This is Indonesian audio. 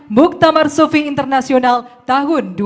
muktamar sufi internasional tahun dua ribu dua puluh tiga